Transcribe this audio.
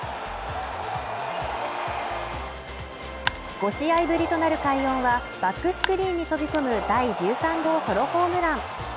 ５試合ぶりとなる快音はバックスクリーンに飛び込む第１３号ソロホームラン。